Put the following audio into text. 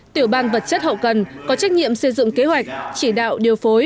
tiểu ban vật chất hậu cần có trách nhiệm xây dựng kế hoạch chỉ đạo điều phối